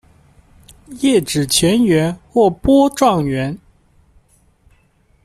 叶纸全缘或波状缘。